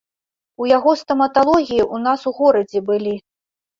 У яго стаматалогіі ў нас у горадзе былі.